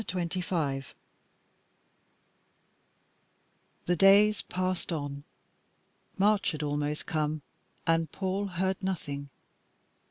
CHAPTER XXV The days passed on, March had almost come, and Paul heard nothing.